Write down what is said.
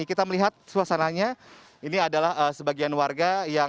jadi kita melihat suasananya ini adalah sebagian warga yang